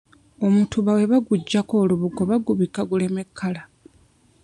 Omutuba bwe baguggyako olubugo bagubikka guleme kkala.